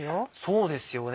そうですよね